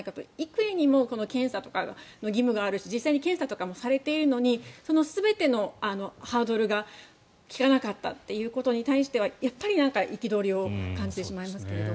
幾重にも検査とかの義務があるし検査とかもされているのにその全てのハードルが利かなかったということに対してはやっぱり憤りを感じてしまいますけど。